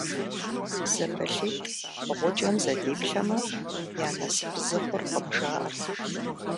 ЗэпылъитӀ гъуджэм зэдиплъэмэ, я насып зы хъуркъым, жаӀэрт.